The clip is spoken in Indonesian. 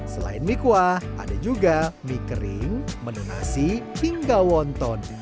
selain mie kuah ada juga mie kering menu nasi hingga wonton